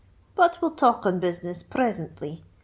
But we'll talk on business presently.